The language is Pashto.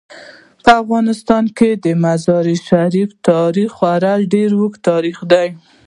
په افغانستان کې د مزارشریف تاریخ خورا ډیر اوږد تاریخ دی.